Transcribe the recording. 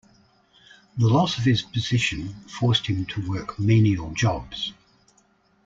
The loss of his position forced him to work menial jobs.